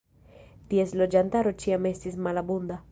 Ties loĝantaro ĉiam estis malabunda.